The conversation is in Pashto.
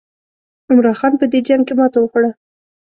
عمرا خان په دې جنګ کې ماته وخوړه.